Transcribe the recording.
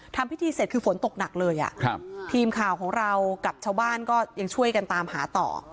ทำพิธีเสร็จคือฝนตกหนักเลยอ่ะครับทีมข่าวของเรากับชาวบ้านก็ยังช่วยกันตามหาต่อ